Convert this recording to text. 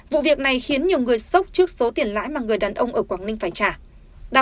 vụ việc này khiến nhiều người sốc trước số tiền lãi mà người đàn ông ở quảng ninh phải trả